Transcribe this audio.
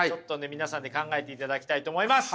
皆さんで考えていただきたいと思います！